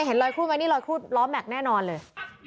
เห็นรอยคู่ไหมรอยคู่ล้อมแมคแน่นอนเลย